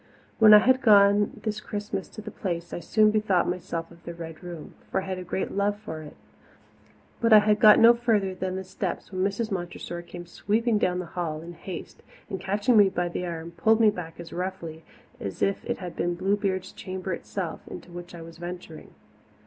When I had gone this Christmas to the Place I soon bethought myself of the Red Room for I had a great love for it. But I had got no further than the steps when Mrs. Montressor came sweeping down the hall in haste and, catching me by the arm, pulled me back as roughly as if it had been Bluebeard's chamber itself into which I was venturing.